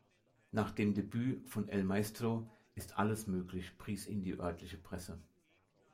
Nach dem Debüt von "El Maestro" ist alles möglich,“ pries ihn die örtliche Presse.